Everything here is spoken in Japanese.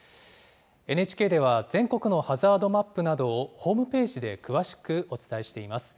ＮＨＫでは、全国のハザードマップなどを、ホームページで詳しくお伝えしています。